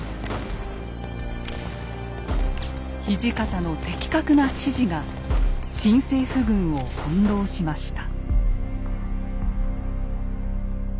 土方の的確な指示が新政府軍を翻弄しました。